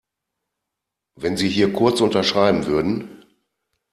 Wenn Sie hier kurz unterschreiben würden.